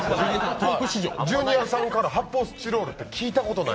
ジュニアさんから「発泡スチロール」って聞いたことない。